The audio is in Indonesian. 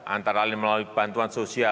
antara lain melalui bantuan sosial